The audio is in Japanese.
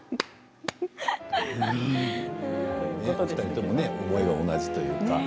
２人とも思いは同じというか。